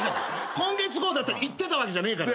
今月号だったらいってたわけじゃねえから。